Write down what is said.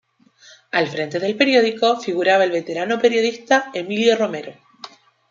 Al frente del periódico figuraba el veterano periodista Emilio Romero.